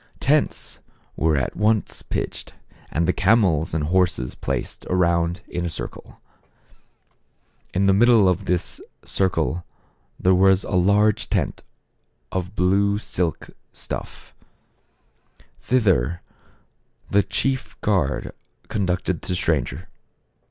Tents were at once pitched, and the camels and horses ^ placed around in a cir cle. In the middle of this circle there was a large tent Thither the chief guard con ducted the stranger.